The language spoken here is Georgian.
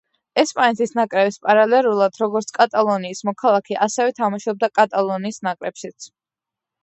ესპანეთის ნაკრების პარალელურად, როგორც კატალონიის მოქალაქე, ასევე თამაშობდა კატალონიის ნაკრებშიც.